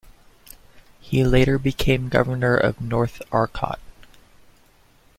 He later became Governor of North Arcot.